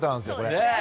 ねえ！